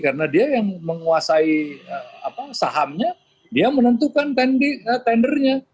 karena dia yang menguasai sahamnya dia menentukan tendernya